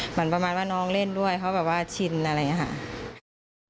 เหมือนประมาณว่าน้องเล่นด้วยเขาแบบว่าชินอะไรอย่างนี้ค่ะ